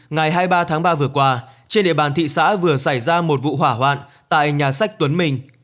ngày hai mươi ba tháng ba vừa qua trên địa bàn thị xã vừa xảy ra một vụ hỏa hoạn tại nhà sách tuấn minh